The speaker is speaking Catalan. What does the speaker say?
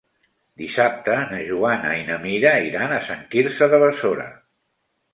Dissabte na Joana i na Mira iran a Sant Quirze de Besora.